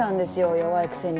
弱いくせに。